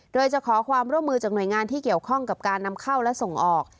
โดยจะขอความร่วมมือจากหน่วยงานที่เกี่ยวข้องกับการนำเข้าและส่งออก